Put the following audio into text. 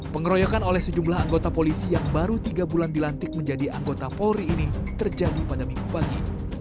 pengeroyokan oleh sejumlah anggota polisi yang baru tiga bulan dilantik menjadi anggota polri ini terjadi pada minggu pagi